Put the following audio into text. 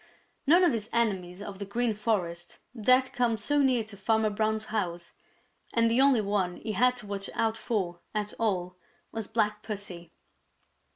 None of his enemies of the Green Forest dared come so near to Farmer Brown's house, and the only one he had to watch out for at all was Black Pussy.